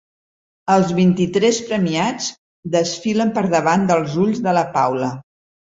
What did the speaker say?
Els vint-i-tres premiats desfilen per davant dels ulls de la Paula.